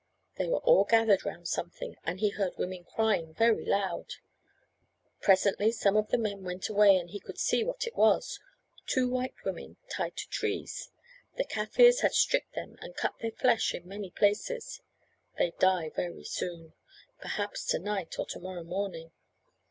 They were all gathered round something, and he heard women crying very loud. Presently some of the men went away and he could see what it was two white women tied to trees. The Kaffirs had stripped them and cut their flesh in many places. They die very soon, perhaps to night or to morrow morning.